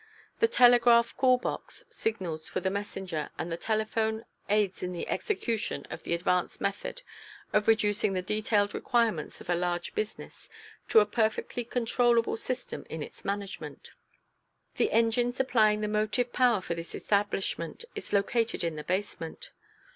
The telegraph call box signals for the messenger, and the telephone, aids in the execution of the advanced method of reducing the detailed requirements of a large business to a perfectly controllable system in its management. The engine supplying the motive power for this establishment is located in the basement.